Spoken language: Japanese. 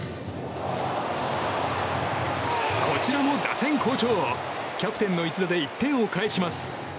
こちらも打線好調キャプテンの一打で１点を返します。